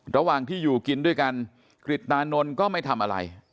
ระหว่างที่อยู่กินด้วยกันกริตตานนท์ก็ไม่ทำอะไร